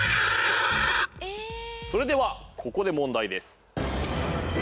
それではここで問題です。